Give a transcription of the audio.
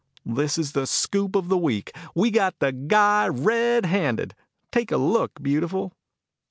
This is the scoop of the week. We got the guy red handed. Take a look, beautiful."